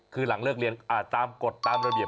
คือหลังเลิกเรียนตามกฎตามระเบียบ